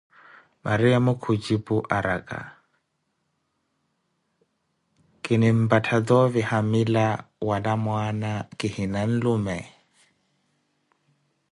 Mariyamo ku jipu, araka: kinimpatha toovi hamila wala mwaana kihina nlume ?